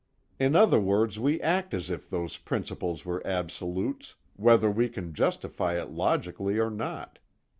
In other words we act as if those principles were absolutes, whether we can justify it logically or not.